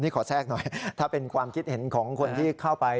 นี่ขอแทรกหน่อยถ้าเป็นความคิดเห็นของคนที่เข้าไป